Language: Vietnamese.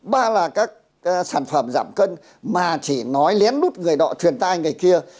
ba là các sản phẩm giảm cân mà chỉ nói lén lút người đó truyền tay người kia